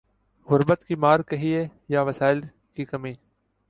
غربت کی مار کہیے یا وسائل کی کمی۔